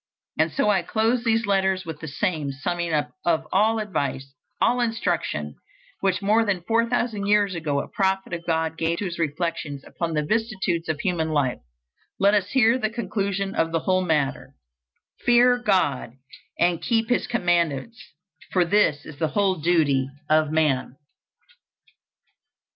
And so I close these letters with the same summing up of all advice, all instruction, which more than four thousand years ago a prophet of God gave to his reflections upon the vicissitudes of human life: "Let us hear the conclusion of the whole matter: Fear God and keep his commandments, for this is the whole duty of man."